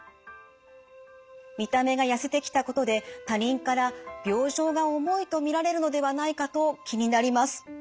見た目がやせてきたことで他人から病状が重いと見られるのではないかと気になります。